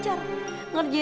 k habru kemurun kembang